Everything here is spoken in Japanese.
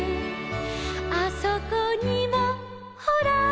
「あそこにもほら」